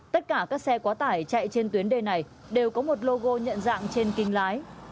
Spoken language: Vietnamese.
tất cả các xe quá tải chạy trên tuyến đê này đều có một logo nhận dạng trên kinh lái